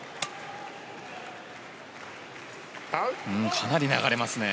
かなり流れますね。